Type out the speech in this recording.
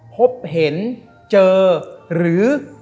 พบเห็นเจอหรือ